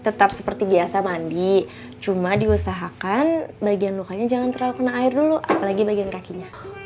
tetap seperti biasa mandi cuma diusahakan bagian lukanya jangan terlalu kena air dulu apalagi bagian kakinya